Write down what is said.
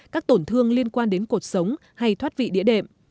các tổn thương liên quan đến cuộc sống hay thoát vị địa đệm